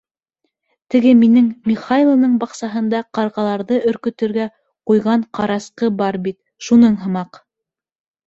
Теге минең Михайланың баҡсаһында ҡарғаларҙы өркөтөргә ҡуйған ҡарасҡы бар бит, шуның һымаҡ.